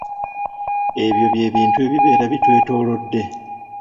Ebyo bye bintu ebibeera bitwetoolodde.